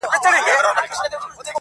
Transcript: ځمه گريوان پر سمندر باندي څيرم.